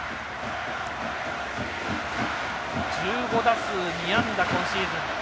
１５打数２安打、今シーズン。